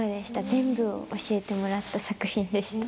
全部教えてもらった作品でした。